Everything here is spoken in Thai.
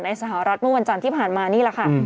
สหรัฐเมื่อวันจันทร์ที่ผ่านมานี่แหละค่ะ